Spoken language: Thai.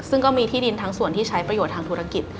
ซึ่งก็มีที่ดินทั้งส่วนที่ใช้ประโยชน์ทางธุรกิจ